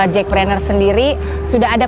jack planner sendiri sudah ada